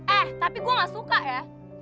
eh tapi gue gak suka ya